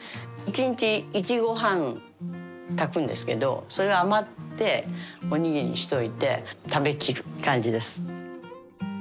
１日１合半炊くんですけどそれ余っておにぎりにしといて食べきる感じです。